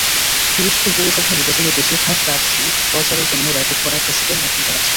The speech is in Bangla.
পিরোজপুর পৌরসভা নির্বাচনে বেশির ভাগ প্রার্থী প্রচারের জন্য রেকর্ড করা ক্যাসেটে মাইকিং করাচ্ছেন।